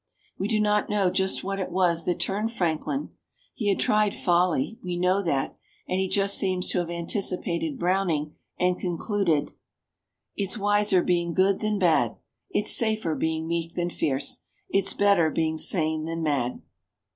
We do not know just what it was that turned Franklin; he had tried folly we know that and he just seems to have anticipated Browning and concluded: "It's wiser being good than bad; It's safer being meek than fierce; It's better being sane than mad."